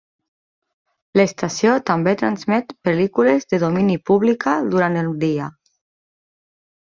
L'estació també transmet pel·lícules de domini pública durant el dia.